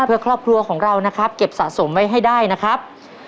เพื่อครอบครัวของเรานะครับเก็บสะสมไว้ให้ได้นะครับ